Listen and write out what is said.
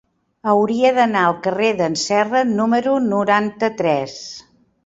Hauria d'anar al carrer d'en Serra número noranta-tres.